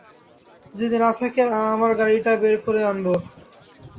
যদি না থাকে, আমার গাড়িরটা বের করে আনব।